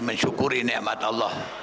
mensyukuri ni'mat allah